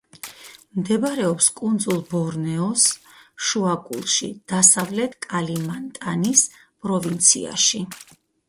მდებარეობს კუნძლ ბორნეოს შუაგულში, დასავლეთ კალიმანტანის პროვინციაში.